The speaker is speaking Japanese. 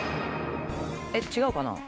えっ違うかな？